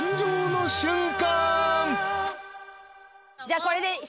じゃあこれで。